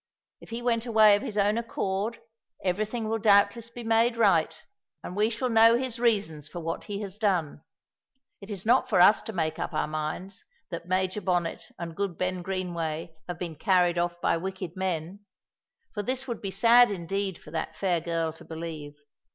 If he went away of his own accord, everything will doubtless be made right, and we shall know his reasons for what he has done. It is not for us to make up our minds that Major Bonnet and good Ben Greenway have been carried off by wicked men, for this would be sad indeed for that fair girl to believe.